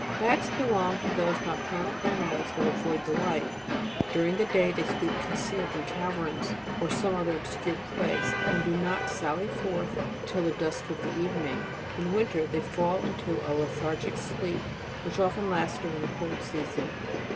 11. Bats belong to those nocturnal animals that avoid the light; during the day they sleep concealed in caverns, or some other obscure place, and do not sally forth till the dusk of the evening. In winter they fall into a lethargic sleep, which often lasts during the cold season.